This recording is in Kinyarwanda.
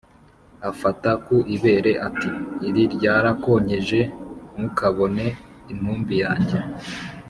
Afata ku ibere ati: “Iri ryarakonkeje ntukabone intumbi yange